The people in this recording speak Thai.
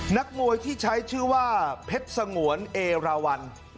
นักมวยที่ใช้ชื่อว่าเพชรสงวนเอราวัน